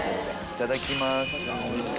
いただきます！